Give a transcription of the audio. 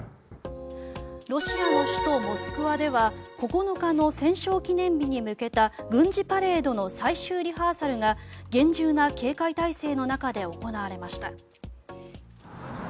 ロシアの首都モスクワでは９日の戦勝記念日に向けた軍事パレードの最終リハーサルが厳重な警戒態勢の中で行われました。